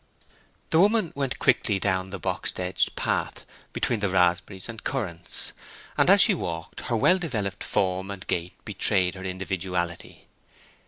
The woman went quickly down the box edged path between the raspberries and currants, and as she walked her well developed form and gait betrayed her individuality.